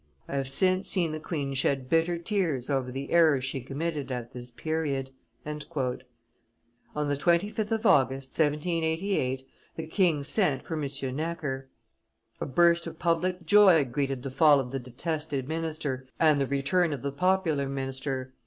I have since seen the queen shed bitter tears over the errors she committed at this period." On the 25th of August, 1788, the king sent for M. Necker. A burst of public joy greeted the fall of the detested minister and the return of the popular minister.